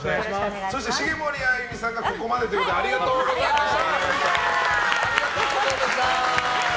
そして茂森あゆみさんがここまでということでありがとうございました。